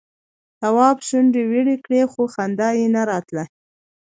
تواب شونډې ويړې کړې خو خندا یې نه راتله.